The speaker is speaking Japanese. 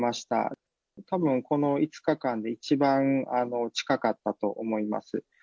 たぶん、この５日間で一番近かったと思います。